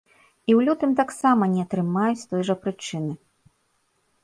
І ў лютым таксама не атрымаюць з той жа прычыны.